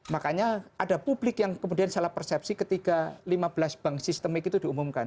makanya ada publik yang kemudian salah persepsi ketika lima belas bank sistemik itu diumumkan